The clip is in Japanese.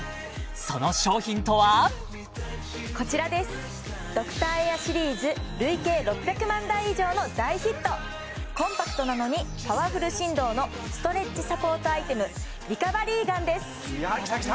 その商品とはこちらですドクターエアシリーズ累計６００万台以上の大ヒットコンパクトなのにパワフル振動のストレッチサポートアイテムリカバリーガンですきたきた！